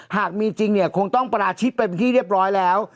หากมีจริงเนี่ยคงต้องปราชิกไปเป็นที่เรียบร้อยแล้ว